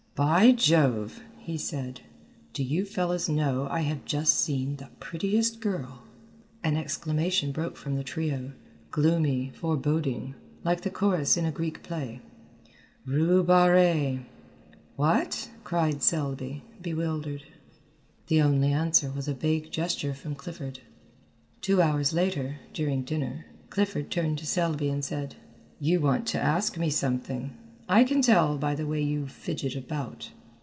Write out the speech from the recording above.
"By Jove," he said, "do you fellows know I have just seen the prettiest girl " An exclamation broke from the trio, gloomy, foreboding, like the chorus in a Greek play. "Rue Barrée!" "What!" cried Selby, bewildered. The only answer was a vague gesture from Clifford. Two hours later, during dinner, Clifford turned to Selby and said, "You want to ask me something; I can tell by the way you fidget about."